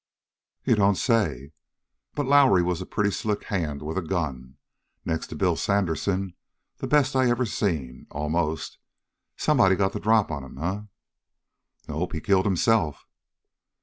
"You don't say! But Lowrie was a pretty slick hand with a gun next to Bill Sandersen, the best I ever seen, almost! Somebody got the drop on him, eh?" "Nope, he killed himself!"